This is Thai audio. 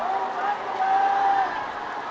วัฒนิยาพุทธ